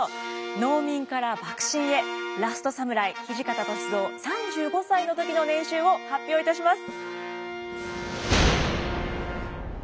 農民から幕臣へラストサムライ土方歳三３５歳の時の年収を発表いたします。